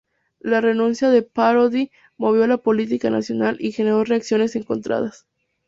La renuncia de Parody movió la política nacional y generó reacciones encontradas.